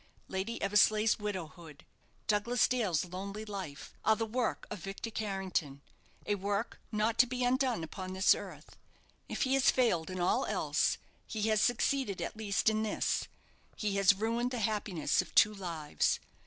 Lady Eversleigh's widowhood, Douglas Dale's lonely life, are the work of Victor Carrington a work not to be undone upon this earth. If he has failed in all else, he has succeeded at least in this: he has ruined the happiness of two lives.